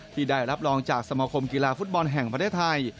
ที่ได้รับรองจากสมคมกีฬาฟุตบอลแห่งประเทศไทย